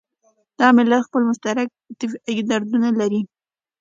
دا ملت خپل مشترک طبعي دردونه لري.